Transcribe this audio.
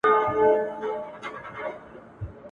د بد زوی له لاسه ښه پلار ښکنځل کېږي ..